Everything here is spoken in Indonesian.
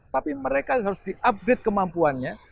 tapi mereka harus diupdate kemampuannya